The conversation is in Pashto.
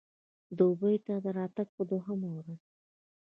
دوبۍ ته د راتګ په دوهمه ورځ.